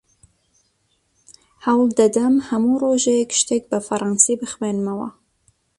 هەوڵ دەدەم هەموو ڕۆژێک شتێک بە فەڕەنسی بخوێنمەوە.